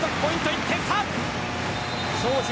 １点差。